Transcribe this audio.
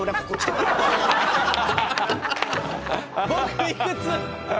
「僕いくつ？」。